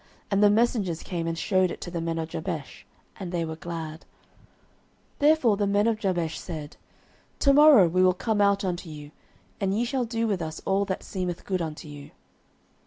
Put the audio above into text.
And the messengers came and shewed it to the men of Jabesh; and they were glad. 09:011:010 Therefore the men of Jabesh said, To morrow we will come out unto you, and ye shall do with us all that seemeth good unto you.